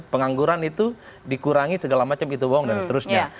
pengangguran itu dikurangi segala macam itu bohong dan seterusnya